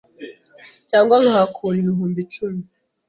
cyangwa nkahakura ibihumbi cumi